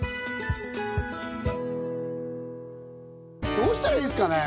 どうしたらいいですかね？